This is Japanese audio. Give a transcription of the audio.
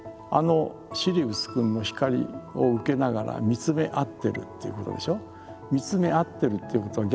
シリウス君の光を受けながら見つめあってるっていうことでしょ。